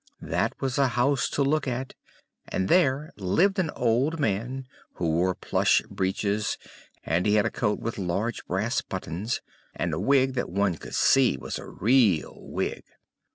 That was a house to look at; and there lived an old man, who wore plush breeches; and he had a coat with large brass buttons, and a wig that one could see was a real wig.